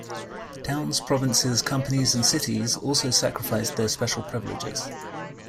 Towns, provinces, companies, and cities also sacrificed their special privileges.